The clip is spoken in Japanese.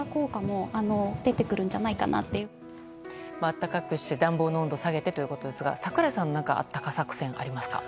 暖かくして、暖房の温度を下げてということですが櫻井さんのあったか作戦何かありますか？